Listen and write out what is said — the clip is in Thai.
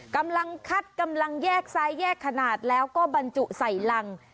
กำลังคัดกำลังแยกซ้ายแยกขนาดแล้วก็บรรจุใส่รัง